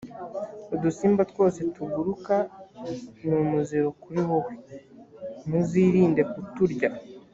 udusimba twose tuguruka ni umuziro kuri wowe, muzirinde kuturya.